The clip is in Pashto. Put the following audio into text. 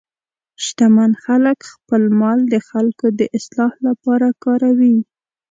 شتمن خلک خپل مال د خلکو د اصلاح لپاره کاروي.